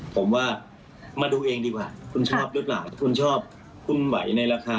ผมว่ามาดูเองดีกว่าคุณชอบรึเปล่า